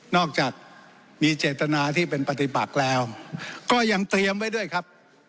จากมีเจตนาที่เป็นปฏิบัติแล้วก็ยังเตรียมไว้ด้วยครับ